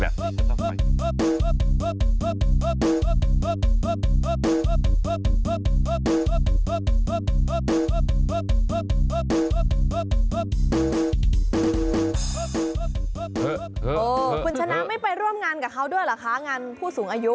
คุณชนะไม่ไปร่วมงานกับเขาด้วยเหรอคะงานผู้สูงอายุ